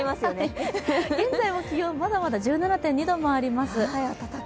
現在も気温は、まだまだ１７．２度もあります。